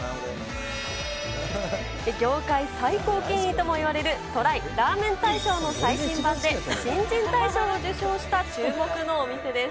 業界最高権威ともいわれるＴＲＹラーメン大賞の最新版で新人大賞を受賞した注目のお店です。